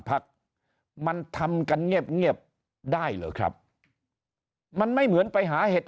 พักมันทำกันเงียบได้เหรอครับมันไม่เหมือนไปหาเห็ด